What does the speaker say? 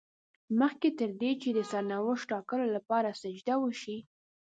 مخکې تر دې چې د سرنوشت ټاکلو لپاره سجده وشي.